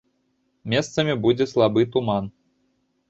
Месцамі будзе слабы туман.